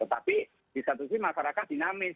tetapi di satu sisi masyarakat dinamis